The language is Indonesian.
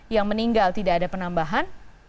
yang meninggal tidak ada penambahan